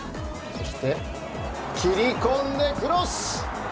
そして、切り込んでクロス！